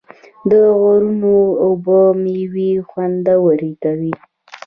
د غرونو اوبه میوې خوندورې کوي.